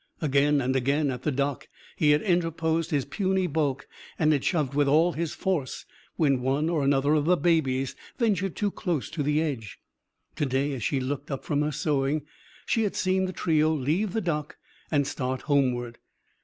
Again and again, at the dock, he had interposed his puny bulk and had shoved with all his force; when one or another of the babies ventured too close to the edge. To day, as she looked up from her sewing, she had seen the trio leave the dock and start homeward.